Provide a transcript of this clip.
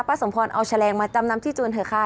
สมพรเอาแฉลงมาจำนำที่จูนเถอะค่ะ